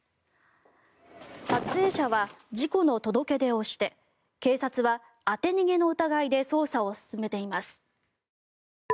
撮影者は事故の届け出をして警察は当て逃げの疑いで捜査を進めています。